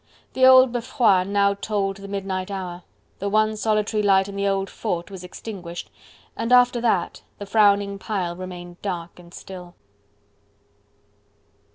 The old Beffroi now tolled the midnight hour, the one solitary light in the old Fort was extinguished, and after that the frowning pile remained dark and still.